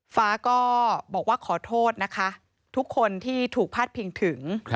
ฟ้าก็บอกว่าขอโทษนะคะทุกคนที่ถูกพาดพิงถึง